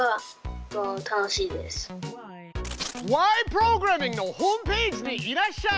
プログラミング」のホームページにいらっしゃい！